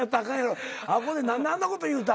あっこで何であんなこと言うたっていう。